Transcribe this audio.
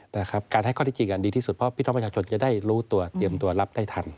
การให้ข้อที่จริงดีที่สุดเพราะพี่น้องประชาชนจะได้รู้ตัวเตรียมตัวรับได้ทัน